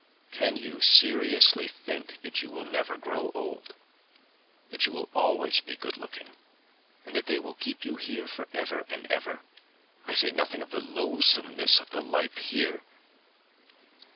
Can you seriously think that you will never grow old, that you will always be good looking, and that they will keep you here for ever and ever? I say nothing of the loathsomeness of the life here....